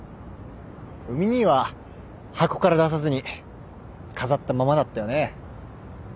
海兄は箱から出さずに飾ったままだったよね。